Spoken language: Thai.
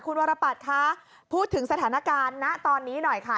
คุณวรปัตรคะพูดถึงสถานการณ์ณตอนนี้หน่อยค่ะ